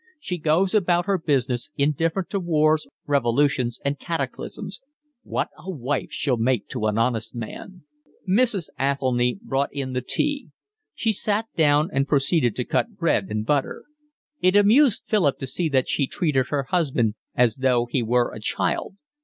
"She goes about her business indifferent to wars, revolutions, and cataclysms. What a wife she'll make to an honest man!" Mrs. Athelny brought in the tea. She sat down and proceeded to cut bread and butter. It amused Philip to see that she treated her husband as though he were a child.